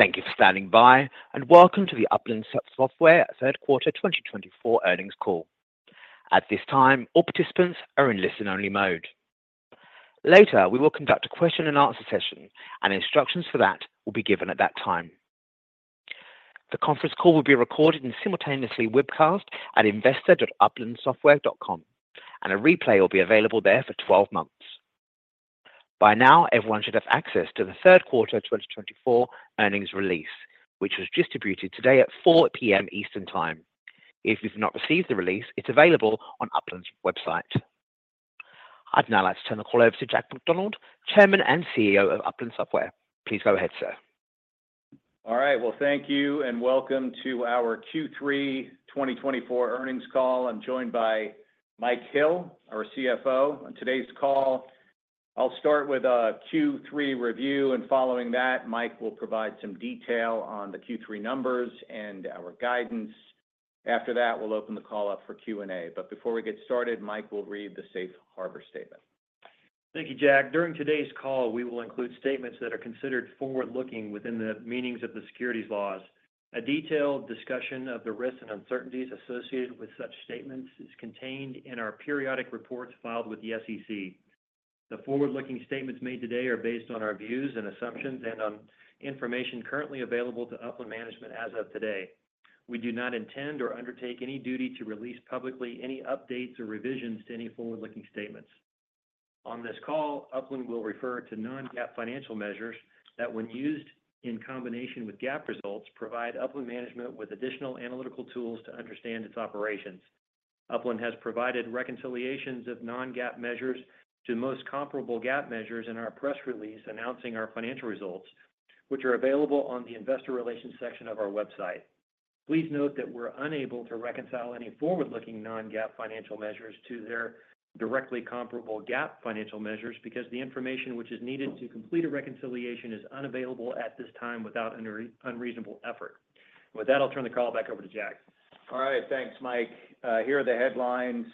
Thank you for standing by, and welcome to the Upland Software Third Quarter 2024 Earnings Call. At this time, all participants are in listen-only mode. Later, we will conduct a question-and-answer session, and instructions for that will be given at that time. The conference call will be recorded and simultaneously webcast at investor.uplandsoftware.com, and a replay will be available there for 12 months. By now, everyone should have access to the third quarter 2024 earnings release, which was distributed today at 4:00 P.M. Eastern Time. If you've not received the release, it's available on Upland's website. I'd now like to turn the call over to Jack McDonald, Chairman and CEO of Upland Software. Please go ahead, sir. All right. Well, thank you, and welcome to our Q3 2024 earnings call. I'm joined by Mike Hill, our CFO, on today's call. I'll start with a Q3 review, and following that, Mike will provide some detail on the Q3 numbers and our guidance. After that, we'll open the call up for Q&A. But before we get started, Mike will read the Safe Harbor statement. Thank you, Jack. During today's call, we will include statements that are considered forward-looking within the meanings of the securities laws. A detailed discussion of the risks and uncertainties associated with such statements is contained in our periodic reports filed with the SEC. The forward-looking statements made today are based on our views and assumptions and on information currently available to Upland Management as of today. We do not intend or undertake any duty to release publicly any updates or revisions to any forward-looking statements. On this call, Upland will refer to non-GAAP financial measures that, when used in combination with GAAP results, provide Upland Management with additional analytical tools to understand its operations. Upland has provided reconciliations of non-GAAP measures to most comparable GAAP measures in our press release announcing our financial results, which are available on the investor relations section of our website. Please note that we're unable to reconcile any forward-looking non-GAAP financial measures to their directly comparable GAAP financial measures because the information which is needed to complete a reconciliation is unavailable at this time without unreasonable effort. With that, I'll turn the call back over to Jack. All right. Thanks, Mike. Here are the headlines.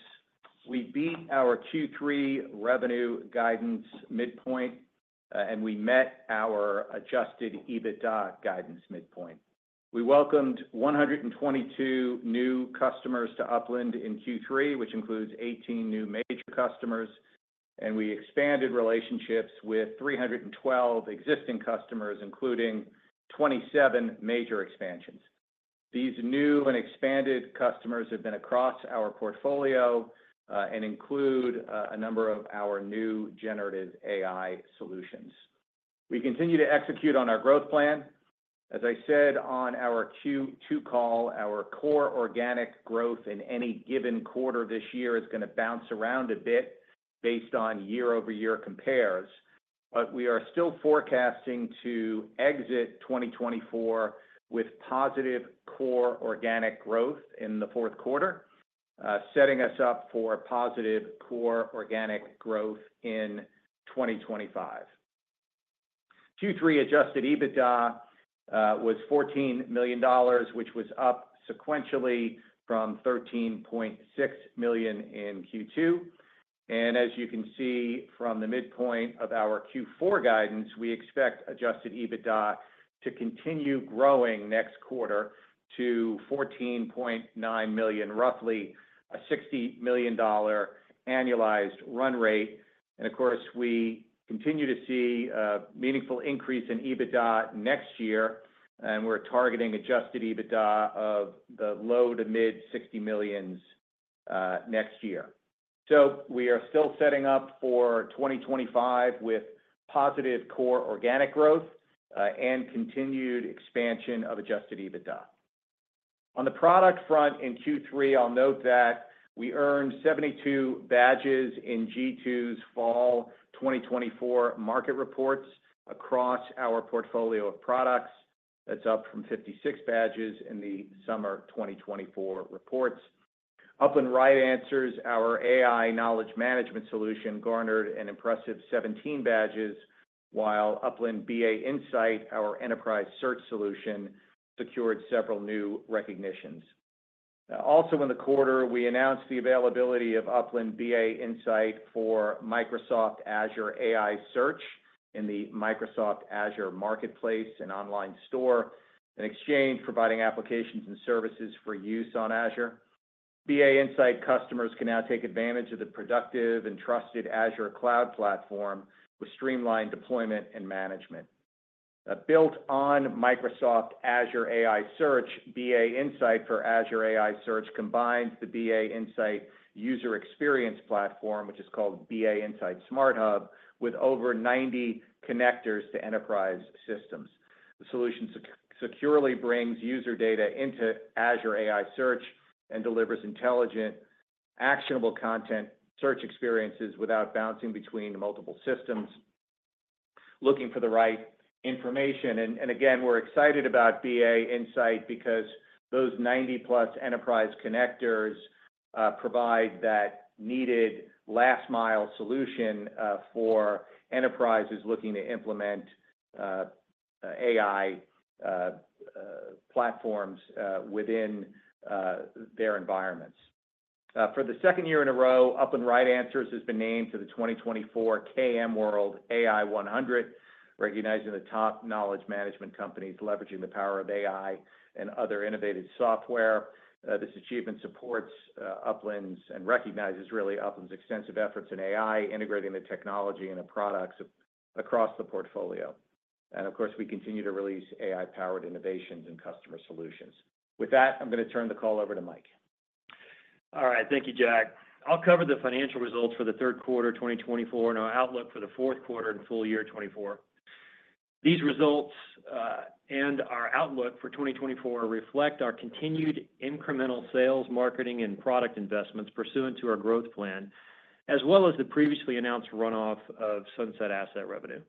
We beat our Q3 revenue guidance midpoint, and we met our adjusted EBITDA guidance midpoint. We welcomed 122 new customers to Upland in Q3, which includes 18 new major customers, and we expanded relationships with 312 existing customers, including 27 major expansions. These new and expanded customers have been across our portfolio and include a number of our new generative AI solutions. We continue to execute on our growth plan. As I said on our Q2 call, our core organic growth in any given quarter this year is going to bounce around a bit based on year-over-year compares, but we are still forecasting to exit 2024 with positive core organic growth in the fourth quarter, setting us up for positive core organic growth in 2025. Q3 adjusted EBITDA was $14 million, which was up sequentially from $13.6 million in Q2. As you can see from the midpoint of our Q4 guidance, we expect adjusted EBITDA to continue growing next quarter to $14.9 million, roughly a $60 million annualized run rate. Of course, we continue to see a meaningful increase in EBITDA next year, and we're targeting adjusted EBITDA of low- to mid-$60 million next year. We are still setting up for 2025 with positive core organic growth and continued expansion of adjusted EBITDA. On the product front in Q3, I'll note that we earned 72 badges in G2's Fall 2024 market reports across our portfolio of products. That's up from 56 badges in the Summer 2024 reports. Upland RightAnswers, our AI knowledge management solution, garnered an impressive 17 badges, while Upland BA Insight, our enterprise search solution, secured several new recognitions. Also, in the quarter, we announced the availability of Upland BA Insight for Microsoft Azure AI Search in the Microsoft Azure Marketplace, an online store and exchange providing applications and services for use on Azure. BA Insight customers can now take advantage of the productive and trusted Azure Cloud Platform with streamlined deployment and management. Built on Microsoft Azure AI Search, BA Insight for Azure AI Search combines the BA Insight user experience platform, which is called BA Insight SmartHub, with over 90 connectors to enterprise systems. The solution securely brings user data into Azure AI Search and delivers intelligent, actionable content search experiences without bouncing between multiple systems, looking for the right information. And again, we're excited about BA Insight because those 90-plus enterprise connectors provide that needed last-mile solution for enterprises looking to implement AI platforms within their environments. For the second year in a row, Upland RightAnswers has been named to the 2024 KMWorld AI 100, recognizing the top knowledge management companies leveraging the power of AI and other innovative software. This achievement supports Upland's and recognizes really Upland's extensive efforts in AI, integrating the technology and the products across the portfolio, and of course, we continue to release AI-powered innovations and customer solutions. With that, I'm going to turn the call over to Mike. All right. Thank you, Jack. I'll cover the financial results for the third quarter 2024 and our outlook for the fourth quarter and full year 2024. These results and our outlook for 2024 reflect our continued incremental sales, marketing, and product investments pursuant to our growth plan, as well as the previously announced runoff of sunset asset revenue.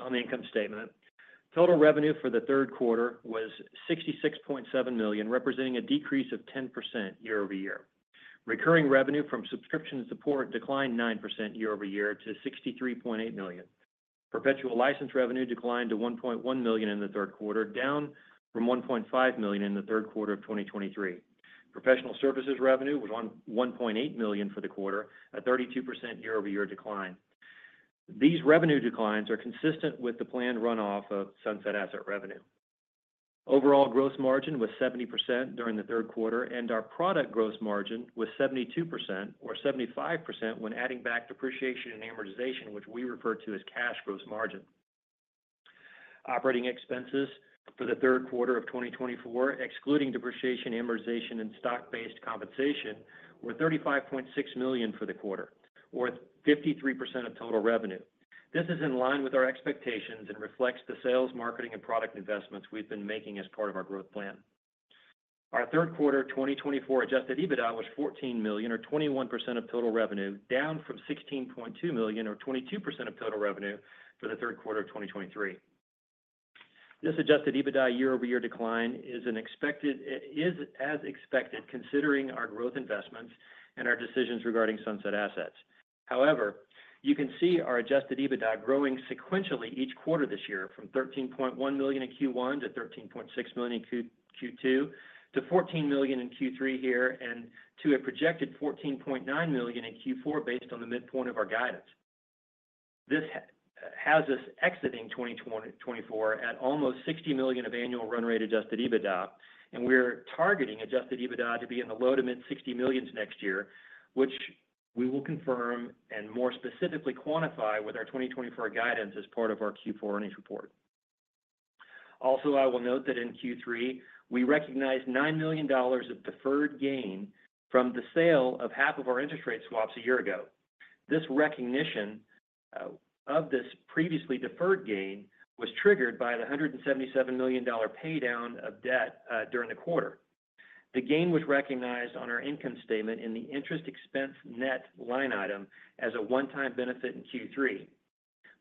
On the income statement, total revenue for the third quarter was $66.7 million, representing a decrease of 10% year over year. Recurring revenue from subscription support declined 9% year over year to $63.8 million. Perpetual license revenue declined to $1.1 million in the third quarter, down from $1.5 million in the third quarter of 2023. Professional services revenue was $1.8 million for the quarter, a 32% year-over-year decline. These revenue declines are consistent with the planned runoff of sunset asset revenue. Overall gross margin was 70% during the third quarter, and our product gross margin was 72% or 75% when adding back depreciation and amortization, which we refer to as cash gross margin. Operating expenses for the third quarter of 2024, excluding depreciation, amortization, and stock-based compensation, were $35.6 million for the quarter, worth 53% of total revenue. This is in line with our expectations and reflects the sales, marketing, and product investments we've been making as part of our growth plan. Our third quarter 2024 adjusted EBITDA was $14 million, or 21% of total revenue, down from $16.2 million, or 22% of total revenue for the third quarter of 2023. This adjusted EBITDA year-over-year decline is as expected, considering our growth investments and our decisions regarding sunset assets. However, you can see our adjusted EBITDA growing sequentially each quarter this year, from $13.1 million in Q1 to $13.6 million in Q2 to $14 million in Q3 here and to a projected $14.9 million in Q4 based on the midpoint of our guidance. This has us exiting 2024 at almost $60 million of annual run rate adjusted EBITDA, and we're targeting adjusted EBITDA to be in the low to mid $60 millions next year, which we will confirm and more specifically quantify with our 2024 guidance as part of our Q4 earnings report. Also, I will note that in Q3, we recognized $9 million of deferred gain from the sale of half of our interest rate swaps a year ago. This recognition of this previously deferred gain was triggered by the $177 million paydown of debt during the quarter. The gain was recognized on our income statement in the interest expense net line item as a one-time benefit in Q3.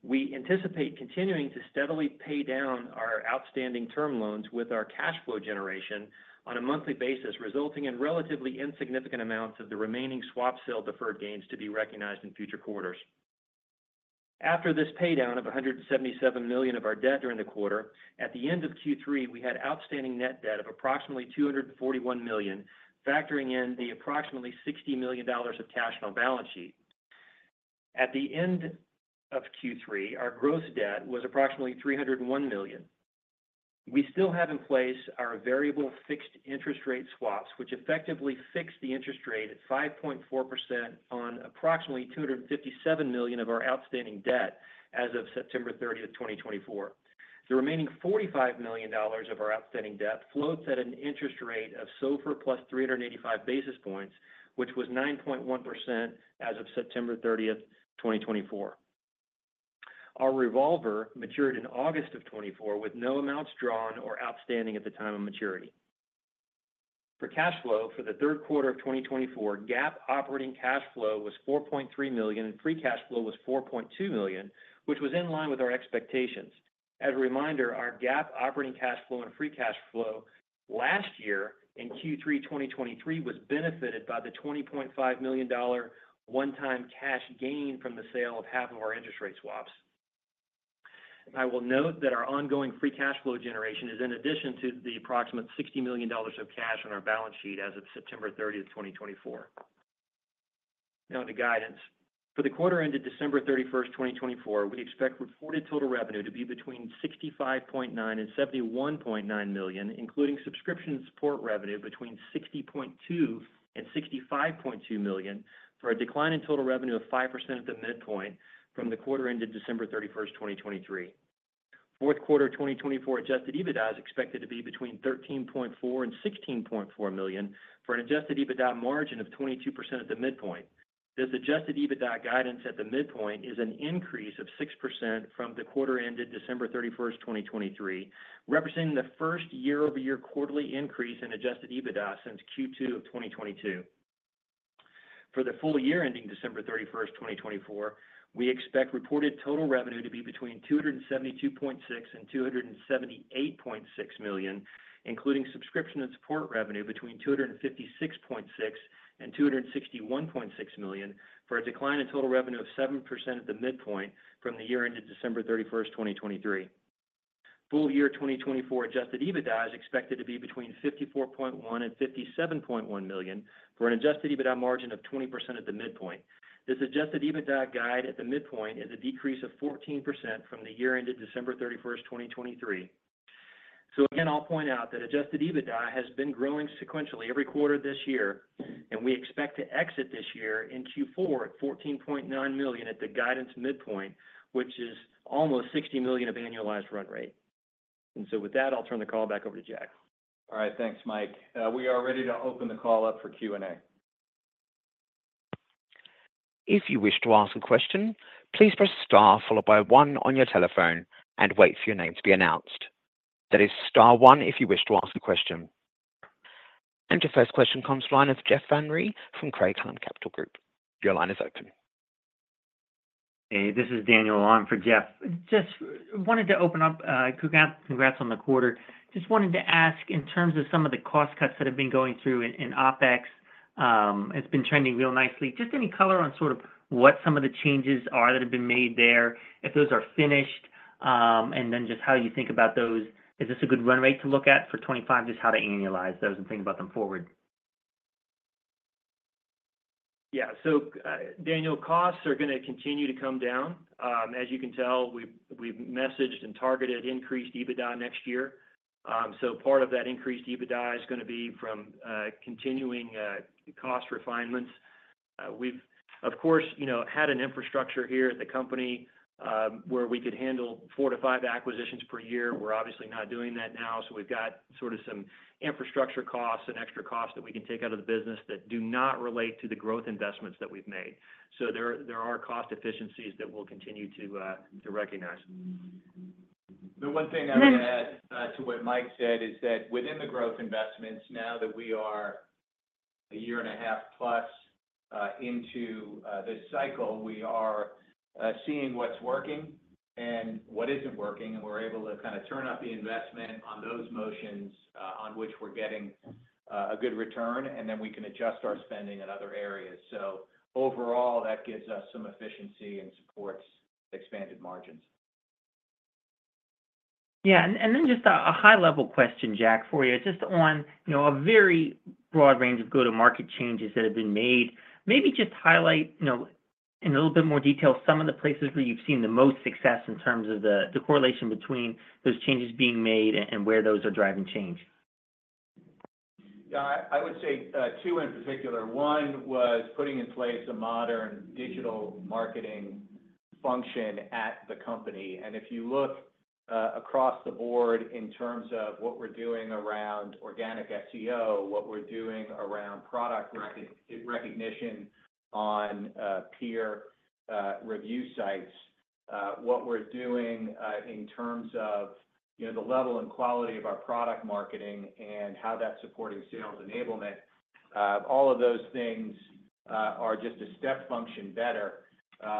We anticipate continuing to steadily pay down our outstanding term loans with our cash flow generation on a monthly basis, resulting in relatively insignificant amounts of the remaining swap sale deferred gains to be recognized in future quarters. After this paydown of $177 million of our debt during the quarter, at the end of Q3, we had outstanding net debt of approximately $241 million, factoring in the approximately $60 million of cash on balance sheet. At the end of Q3, our gross debt was approximately $301 million. We still have in place our variable fixed interest rate swaps, which effectively fix the interest rate at 5.4% on approximately $257 million of our outstanding debt as of September 30th, 2024. The remaining $45 million of our outstanding debt floats at an interest rate of SOFR plus 385 basis points, which was 9.1% as of September 30th, 2024. Our revolver matured in August of 2024 with no amounts drawn or outstanding at the time of maturity. For cash flow for the third quarter of 2024, GAAP operating cash flow was $4.3 million, and free cash flow was $4.2 million, which was in line with our expectations. As a reminder, our GAAP operating cash flow and free cash flow last year in Q3 2023 was benefited by the $20.5 million one-time cash gain from the sale of half of our interest rate swaps. I will note that our ongoing free cash flow generation is in addition to the approximate $60 million of cash on our balance sheet as of September 30th, 2024. Now, the guidance. For the quarter ended December 31st, 2024, we expect reported total revenue to be between $65.9 and $71.9 million, including subscription support revenue between $60.2 and $65.2 million for a decline in total revenue of 5% at the midpoint from the quarter ended December 31st, 2023. Fourth quarter 2024 Adjusted EBITDA is expected to be between $13.4 and $16.4 million for an Adjusted EBITDA margin of 22% at the midpoint. This Adjusted EBITDA guidance at the midpoint is an increase of 6% from the quarter ended December 31st, 2023, representing the first year-over-year quarterly increase in Adjusted EBITDA since Q2 of 2022. For the full year ending December 31st, 2024, we expect reported total revenue to be between $272.6 and $278.6 million, including subscription and support revenue between $256.6 and $261.6 million for a decline in total revenue of 7% at the midpoint from the year ended December 31st, 2023. Full year 2024 Adjusted EBITDA is expected to be between $54.1 and $57.1 million for an Adjusted EBITDA margin of 20% at the midpoint. This Adjusted EBITDA guide at the midpoint is a decrease of 14% from the year ended December 31st, 2023. So again, I'll point out that Adjusted EBITDA has been growing sequentially every quarter this year, and we expect to exit this year in Q4 at $14.9 million at the guidance midpoint, which is almost $60 million of annualized run rate. And so with that, I'll turn the call back over to Jack. All right. Thanks, Mike. We are ready to open the call up for Q&A. If you wish to ask a question, please press Star followed by 1 on your telephone and wait for your name to be announced. That is Star 1 if you wish to ask a question. And your first question comes from the line of Jeff Van Rhee from Craig-Hallum Capital Group. Your line is open. Hey, this is Daniel. I'm for Jeff. Just wanted to open up. Congrats on the quarter. Just wanted to ask in terms of some of the cost cuts that have been going through in OpEx. It's been trending real nicely. Just any color on sort of what some of the changes are that have been made there, if those are finished, and then just how you think about those. Is this a good run rate to look at for '25? Just how to annualize those and think about them forward? Yeah. So Daniel, costs are going to continue to come down. As you can tell, we've messaged and targeted increased EBITDA next year. So part of that increased EBITDA is going to be from continuing cost refinements. We've, of course, had an infrastructure here at the company where we could handle four to five acquisitions per year. We're obviously not doing that now. So we've got sort of some infrastructure costs and extra costs that we can take out of the business that do not relate to the growth investments that we've made. So there are cost efficiencies that we'll continue to recognize. The one thing I want to add to what Mike said is that within the growth investments, now that we are a year and a half plus into this cycle, we are seeing what's working and what isn't working, and we're able to kind of turn up the investment on those motions on which we're getting a good return, and then we can adjust our spending in other areas. So overall, that gives us some efficiency and supports expanded margins. Yeah. And then just a high-level question, Jack, for you, just on a very broad range of go-to-market changes that have been made. Maybe just highlight in a little bit more detail some of the places where you've seen the most success in terms of the correlation between those changes being made and where those are driving change. Yeah. I would say two in particular. One was putting in place a modern digital marketing function at the company. And if you look across the board in terms of what we're doing around organic SEO, what we're doing around product recognition on peer review sites, what we're doing in terms of the level and quality of our product marketing and how that's supporting sales enablement, all of those things are just a step function better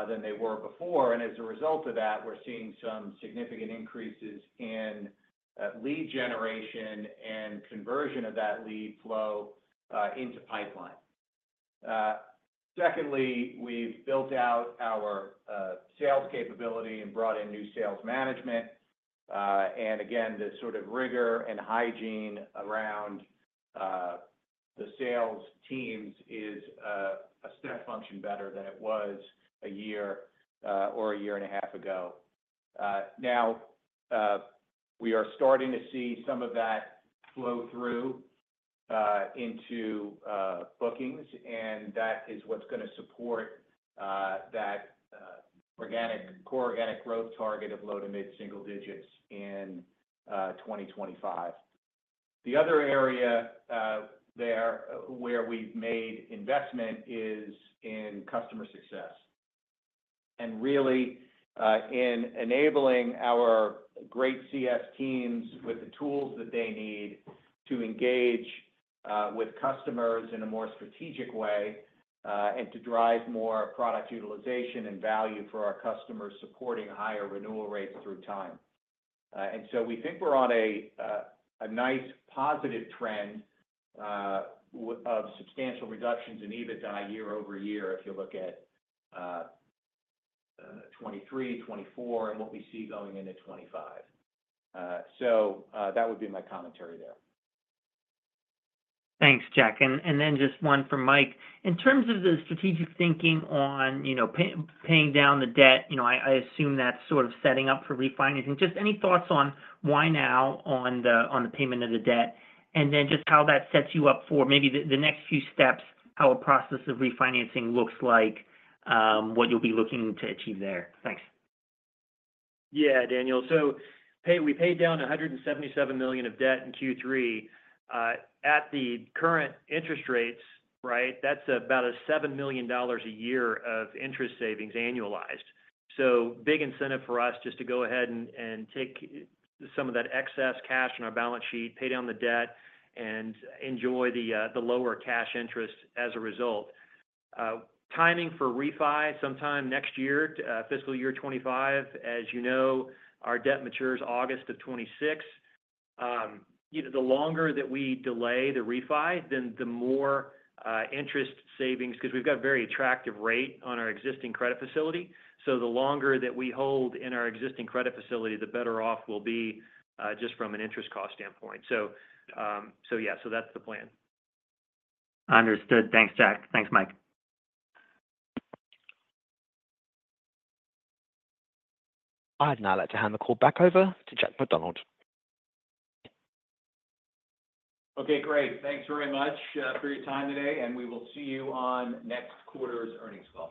than they were before. And as a result of that, we're seeing some significant increases in lead generation and conversion of that lead flow into pipeline. Secondly, we've built out our sales capability and brought in new sales management. And again, the sort of rigor and hygiene around the sales teams is a step function better than it was a year or a year and a half ago. Now, we are starting to see some of that flow through into bookings, and that is what's going to support that organic core organic growth target of low to mid single digits in 2025. The other area there where we've made investment is in customer success and really in enabling our great CS teams with the tools that they need to engage with customers in a more strategic way and to drive more product utilization and value for our customers supporting higher renewal rates through time. And so we think we're on a nice positive trend of substantial reductions in EBITDA year over year if you look at 2023, 2024, and what we see going into 2025. So that would be my commentary there. Thanks, Jack. And then just one from Mike. In terms of the strategic thinking on paying down the debt, I assume that's sort of setting up for refinancing. Just any thoughts on why now on the payment of the debt? And then just how that sets you up for maybe the next few steps? How a process of refinancing looks like? What you'll be looking to achieve there? Thanks. Yeah, Daniel. So we paid down $177 million of debt in Q3. At the current interest rates, right, that's about a $7 million a year of interest savings annualized. So big incentive for us just to go ahead and take some of that excess cash on our balance sheet, pay down the debt, and enjoy the lower cash interest as a result. Timing for refi sometime next year, fiscal year 2025. As you know, our debt matures August of 2026. The longer that we delay the refi, then the more interest savings because we've got a very attractive rate on our existing credit facility. So the longer that we hold in our existing credit facility, the better off we'll be just from an interest cost standpoint. So yeah, so that's the plan. Understood. Thanks, Jack. Thanks, Mike. I'd now like to hand the call back over to Jack McDonald. Okay, great. Thanks very much for your time today, and we will see you on next quarter's earnings call.